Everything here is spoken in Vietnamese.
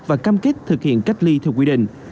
và cam kết thực hiện cách ly theo quy định